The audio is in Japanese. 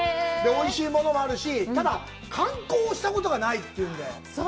おいしいものもあるし、ただ、観光をしたことがないって言うので。